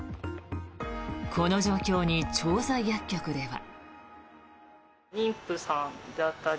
この状況に調剤薬局では。